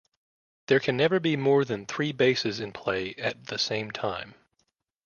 There can never be more than three "Bases" in play at the same time.